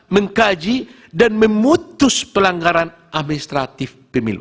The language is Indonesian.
mengkaji dan memutus pelanggaran administratif pemilu